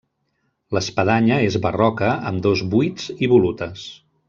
L'espadanya és barroca amb dos buits i volutes.